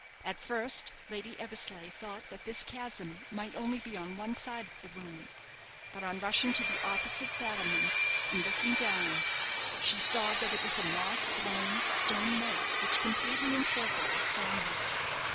At first Lady Eversleigh thought that this chasm might only be on one side of the ruin, but on rushing to the opposite battlements, and looking down, she saw that it was a moss grown stone moat, which completely encircled the stronghold.